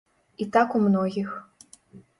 І так у многіх.